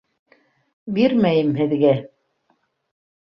— Бирмәйем һеҙгә.